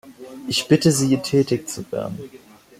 Ich bitte Sie, tätig zu werden.